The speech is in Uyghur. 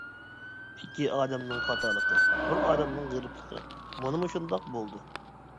ئىككى ئادەمنىڭ خاتالىقى، بىر ئادەمنىڭ غېرىبلىقى مانا مۇشۇنداق بولدى!